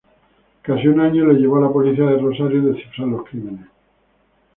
Casi un año le llevó a la policía de Rosario descifrar los crímenes.